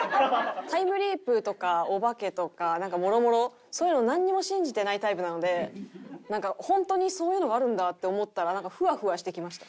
タイムリープとかお化けとかなんかもろもろそういうのなんにも信じてないタイプなので本当にそういうのがあるんだって思ったら。